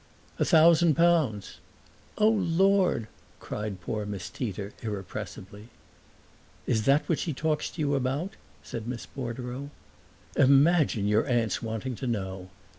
"A thousand pounds." "Oh Lord!" cried poor Miss Tita irrepressibly. "Is that what she talks to you about?" said Miss Bordereau. "Imagine your aunt's wanting to know!"